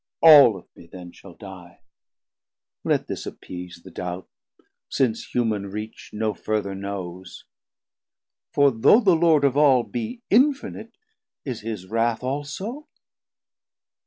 All of me then shall die: let this appease The doubt, since humane reach no further knows. For though the Lord of all be infinite, Is his wrauth also?